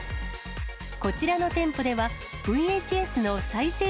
こちらの店舗では、ＶＨＳの再生